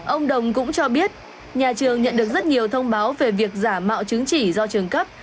ông đồng cũng cho biết nhà trường nhận được rất nhiều thông báo về việc giả mạo chứng chỉ do trường cấp